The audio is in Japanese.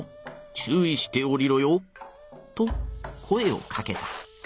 ちゅういしておりろよ』と声をかけた。